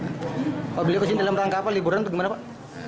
kalau beliau kesini dalam rangka apa liburan atau gimana pak